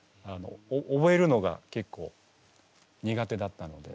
覚えるのがけっこう苦手だったので。